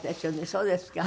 そうですか。